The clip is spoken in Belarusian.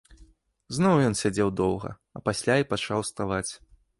Зноў ён сядзеў доўга, а пасля і пачаў уставаць.